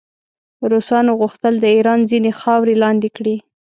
روسانو غوښتل د ایران ځینې خاورې لاندې کړي.